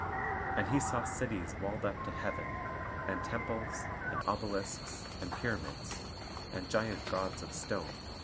And he saw cities walled up to heaven, and temples, and obelisks, and pyramids, and giant gods of stone.